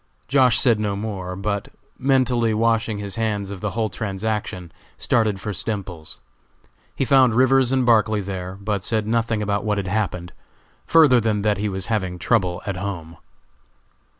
Josh. said no more, but mentally washing his hands of the whole transaction, started for Stemples's. He found Rivers and Barclay there, but said nothing about what had happened, further than that he was having trouble at home.